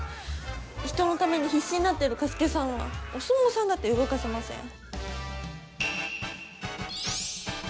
人のために必死になってる加助さんはお相撲さんだって動かせません。